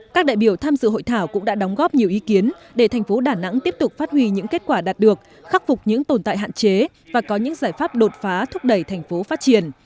các đại biểu tham dự hội thảo cũng đã đóng góp nhiều ý kiến để thành phố đà nẵng tiếp tục phát huy những kết quả đạt được khắc phục những tồn tại hạn chế và có những giải pháp đột phá thúc đẩy thành phố phát triển